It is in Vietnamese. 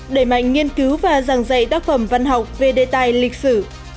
đẩy mạnh nghiên cứu và giảng dạy tác phẩm văn học về đề tài lịch sử